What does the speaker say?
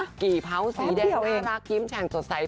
นี่ตัวนะกี่เผาสีแดงน่ารักกี้มแฉ่งสดใส